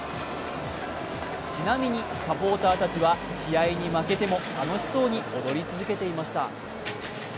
ちなみにサポーターたちは試合に負けても楽しそうに踊り続けていました。